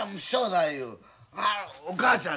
お母ちゃん